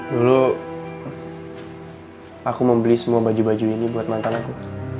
dulu aku membeli semua baju baju ini buat mantan aku